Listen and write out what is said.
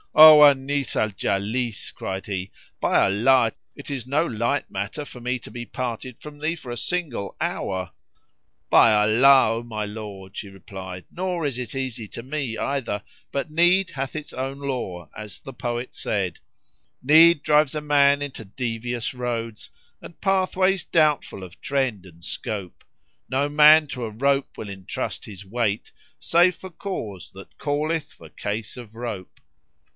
"O Anis al Jalis," cried he, "by Allah it is no light matter for me to be parted from thee for a single hour!" "By Allah, O my lord," she replied, "nor is it easy to me either, but Need hath its own law, as the poet said, 'Need drives a man into devious roads, * And pathways doubtful of trend and scope: No man to a rope[FN#27] will entrust his weight, * Save for cause that calleth for case of rope.'"